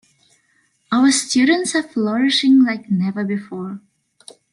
Our students are flourishing like never before.